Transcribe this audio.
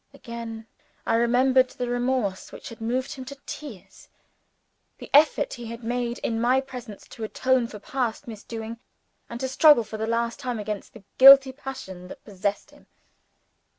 Again, I remembered the remorse which had moved him to tears the effort he had made in my presence to atone for past misdoing, and to struggle for the last time against the guilty passion that possessed him.